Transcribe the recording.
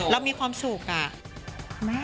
แล้วมีความสุขอ่ะ